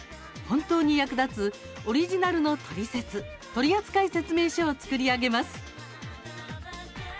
本当に役立つオリジナルのトリセツ取扱説明書を作り上げます。